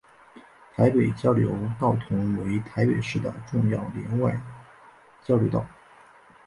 台北交流道同为台北市的重要联外交流道。